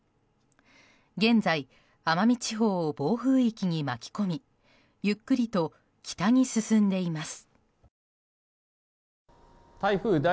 現在、奄美地方を暴風域に巻き込みゆっくりと北に進んでいます。